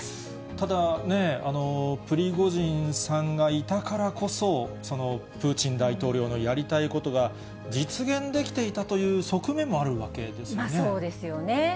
ただ、プリゴジンさんがいたからこそ、プーチン大統領のやりたいことが実現できていたという側面もあるそうですよね。